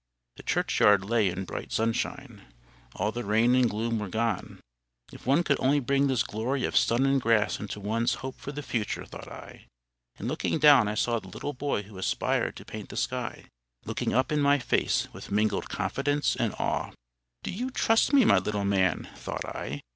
The churchyard lay in bright sunshine. All the rain and gloom were gone. "If one could only bring this glory of sun and grass into one's hope for the future!" thought I; and looking down I saw the little boy who aspired to paint the sky, looking up in my face with mingled confidence and awe. "Do you trust me, my little man?" thought I.